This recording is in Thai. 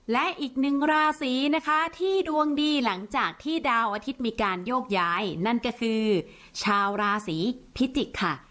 และอีกหนึ่งราศีนะคะที่ดวงดีหลังจากที่ดาวอาทิตย์มีการโยกย้ายนั่นก็คือชาวราศีพิจิกค่ะ